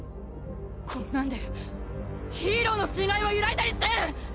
こんなんでヒーローの信頼は揺らいだりせん！